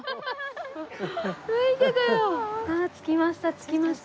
着きました